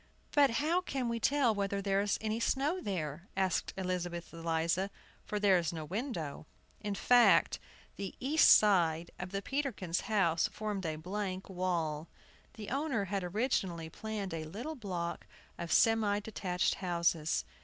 "But how can we tell whether there is any snow there?" asked Elizabeth Eliza, "for there is no window." In fact, the east side of the Peterkins' house formed a blank wall. The owner had originally planned a little block of semi detached houses.